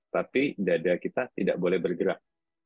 tapi dada kita tidak boleh bergerak